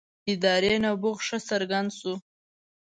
ادارې نبوغ ښه څرګند شو.